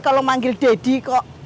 kalau manggil deddy kok